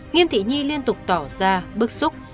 nghiêm thị nhi liên tục tỏ ra bức xúc